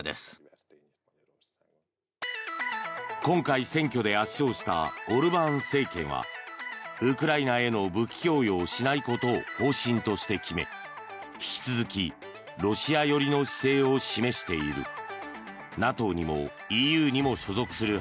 今回、選挙で圧勝したオルバーン政権はウクライナへの武器供与をしないことを方針として決め引き続きロシア寄りの姿勢を示している。